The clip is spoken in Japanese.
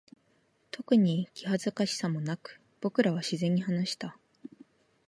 特に気恥ずかしさもなく、僕らは自然に話した。